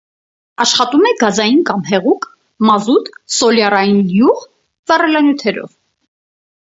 Աշխատում է գազային կամ հեղուկ (մազութ, սոլյարային յուղ են) վառելանյութերով։